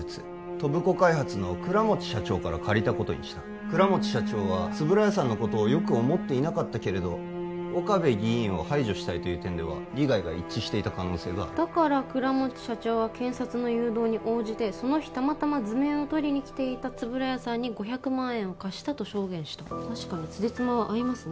戸部子開発の倉持社長から借りたことにした倉持社長は円谷さんのことを良く思っていなかったけれど岡部議員を排除したいという点では利害が一致していた可能性があるだから倉持社長は検察の誘導に応じてその日たまたま図面を取りに来ていた円谷さんに５００万円を貸したと証言した確かにつじつまは合いますね